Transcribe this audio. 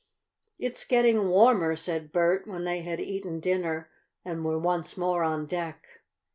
"It's getting warmer," said Bert when they had eaten dinner and were once more on deck.